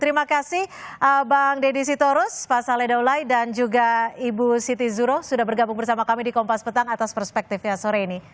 terima kasih bang deddy sitorus pak saleh daulai dan juga ibu siti zuro sudah bergabung bersama kami di kompas petang atas perspektifnya sore ini